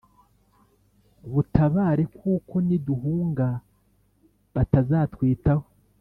butabare kuko niduhunga batazatwitaho